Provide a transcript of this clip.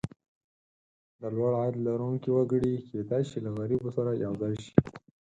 د لوړ عاید لرونکي وګړي کېدای شي له غریبو سره یو ځای شي.